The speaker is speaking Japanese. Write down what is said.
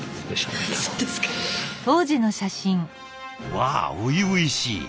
わあ初々しい。